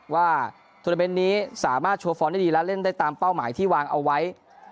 ว่าโทรเมนต์นี้สามารถโชว์ฟอร์มได้ดีและเล่นได้ตามเป้าหมายที่วางเอาไว้